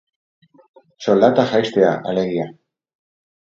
Soldata jaistea, alegia.